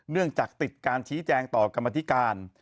เนื่องจากติดการชี้แจงต่อกรรมธิการ